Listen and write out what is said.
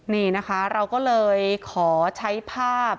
นี่นะคะเราก็เลยขอใช้ภาพ